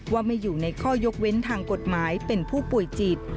ว่าไม่อยู่ในข้อยกเว้นทางกฎหมายเป็นผู้ป่วยจิต